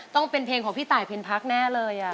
ต้องเป็นเพลงของพี่ตายเพ็ญพักแน่เลย